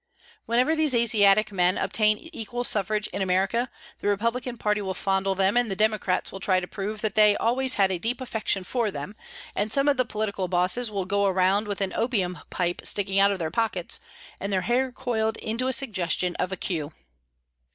Whenever these Asiatic men obtain equal suffrage in America the Republican party will fondle them, and the Democrats will try to prove that they always had a deep affection for them, and some of the political bosses will go around with an opium pipe sticking out of their pockets and their hair coiled into a suggestion of a queue.